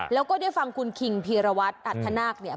แล้วก็ได้ฟังคุณคิงพีรวัตรอัธนาคเนี่ย